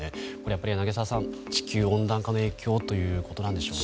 柳澤さん、地球温暖化の影響ということでしょうか。